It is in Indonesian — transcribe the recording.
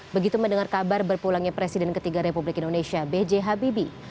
begitu mendengar kabar berpulangnya presiden ketiga republik indonesia b j habibie